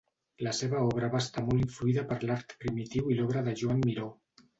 La seva obra va estar molt influïda per l'art primitiu i l'obra de Joan Miró.